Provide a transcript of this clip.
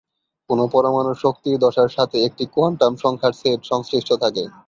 কোন পরমাণুর শক্তির দশার সাথে একটি কোয়ান্টাম সংখ্যার সেট সংশ্লিষ্ট থাকে।